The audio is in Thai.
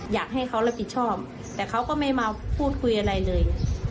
อยากให้เขารับผิดชอบแต่เขาก็ไม่มาพูดคุยอะไรเลย